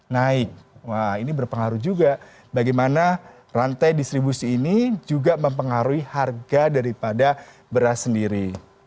naik ini berpengaruh juga bagaimana rantai distribusi ini juga mempengaruhi harga daripada beras sendiri